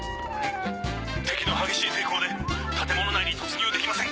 敵の激しい抵抗で建物内に突入できません！